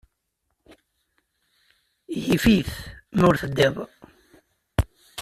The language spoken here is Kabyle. Yif-it ma ur teddiḍ.